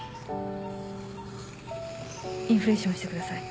インフレーションしてください。ＯＫ。